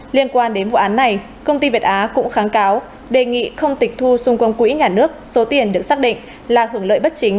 liên quan đến vụ án này công ty việt á cũng kháng cáo đề nghị không tịch thu xung quanh quỹ nhà nước số tiền được xác định là hưởng lợi bất chính